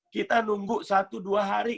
kita nunggu satu dua hari